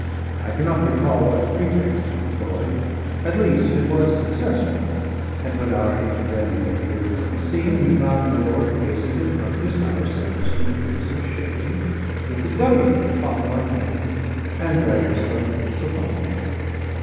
I cannot recall what pretext he employed; at least, it was successful; and when our ancient enemy appeared upon the scene, he found my lord pacing in front of his house under some trees of shade, with the Governor upon one hand and various notables upon the other.